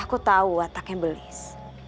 aku tahu ataknya belis